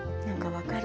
分かる！